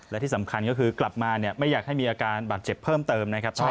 และที่สำคัญก็คือกลับมาเนี่ยไม่อยากให้มีอาการบาดเจ็บเพิ่มเติมนะครับ